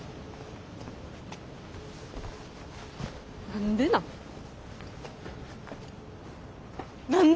何でなん？